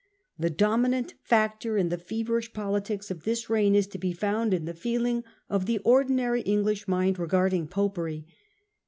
The dominant factor in the feverish politics of this reign is to be found in the feeling of the ordinary English mind regarding Popery.